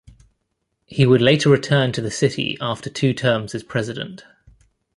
He would later return to the city after two terms as President.